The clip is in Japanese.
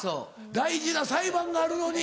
大事な裁判があるのに。